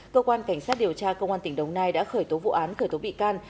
cơ quan cảnh sát điều tra công an tỉnh đồng nai đã khởi tố vụ án khởi tố bị can